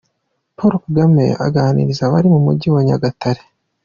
Paul Kagame aganiriza abari mu mujyi wa Nyagatare.